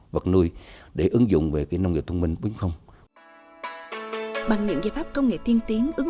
vật nuôi để ứng dụng về nông nghiệp thông minh bốn bằng những giải pháp công nghệ tiên tiến ứng